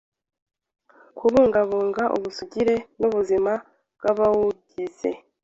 kubungabunga ubusugire n’ubuzima bw’abawugize.